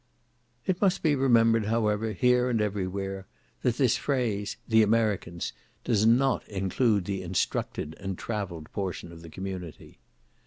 It must be remembered, however, here and every where, that this phrase, "the Americans," does not include the instructed and travelled portion of the community.